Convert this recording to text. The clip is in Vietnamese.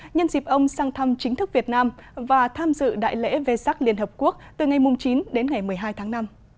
nhân dịp ông sang thăm chính thức việt nam và tham dự đại lễ vê sắc liên hợp quốc từ ngày chín đến ngày một mươi hai tháng năm